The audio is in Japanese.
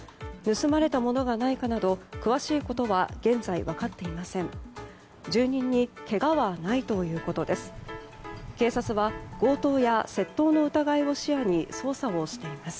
盗まれたものがないかなど詳しいことは現在、分かっていません。